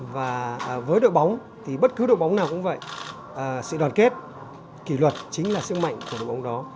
và với đội bóng thì bất cứ đội bóng nào cũng vậy sự đoàn kết kỷ luật chính là sức mạnh của đội bóng đó